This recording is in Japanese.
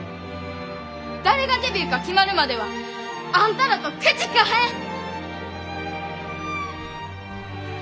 誰がデビューか決まるまではあんたらと口利かへん！